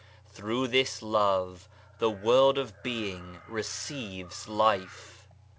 Through this love the world of being receives life.